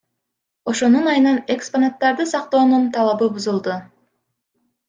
Ошонун айынан экспонаттарды сактоонун талабыбузулду.